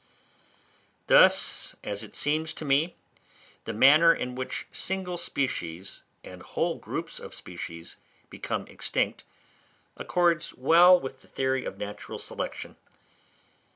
Thus, as it seems to me, the manner in which single species and whole groups of species become extinct accords well with the theory of natural selection.